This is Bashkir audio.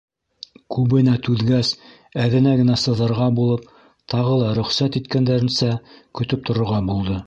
Күбенә түҙгәс, әҙенә генә сыҙарға булып, тағы ла рөхсәт иткәндәренсә көтөп торорға булды.